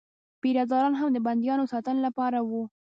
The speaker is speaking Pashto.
پیره داران هم د بندیانو د ساتنې لپاره وو.